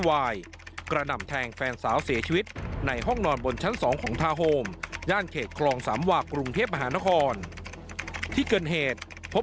วายกระหน่ำแทงแฟนสาวเสียชีวิตในห้องนอนบนชั้น๒ของทาวนโฮมย่านเขตคลองสามวากกรุงเทพมหานครที่เกินเหตุพบ